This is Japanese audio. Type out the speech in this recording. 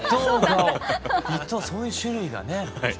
そういう種類がね。